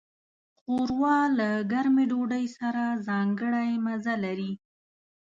ښوروا له ګرمې ډوډۍ سره ځانګړی مزه لري.